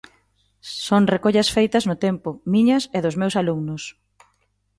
Son recollas feitas no tempo, miñas e dos meus alumnos.